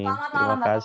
selamat malam mbak tepang